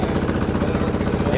diluruskan sejajar ini pak ya